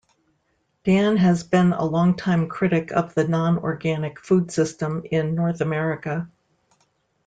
Dan has been a longtime critic of the non-organic food system in North America.